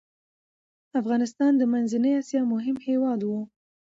افغانستان د منځنی اسیا مهم هیواد و.